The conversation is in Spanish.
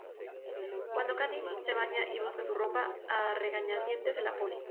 Cuando Katniss se baña y busca su ropa, a regañadientes se la pone.